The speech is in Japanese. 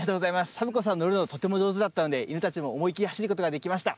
サボ子さんのるのとてもじょうずだったので犬たちもおもいきりはしることができました。